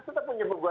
atau anaknya juga